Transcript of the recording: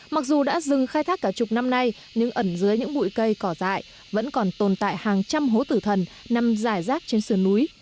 mặc dù đã dừng khai thác cả chục năm nay nhưng ẩn dưới những bụi cây cỏ dại vẫn còn tồn tại hàng trăm hố tử thần nằm dài rác trên sườn núi